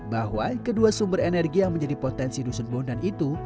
bahwa kedua sumber energi yang menjadi potensi dusun bondan itu